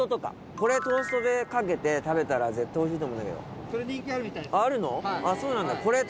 これトーストでかけて食べたら絶対おいしいと思うんだけど。